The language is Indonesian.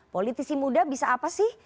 politisi muda bisa apa sih